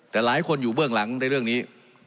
แต่หลายคนอยู่เบื้องหลังในเรื่องนี้